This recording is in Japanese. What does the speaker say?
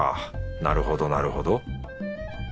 なるほどなるほど。